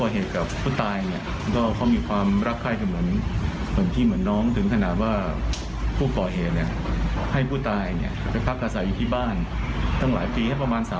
ด้านในหน้าโรงถูกแจ้งข้อหาค้ากับผู้อื่นโดยเจตตนา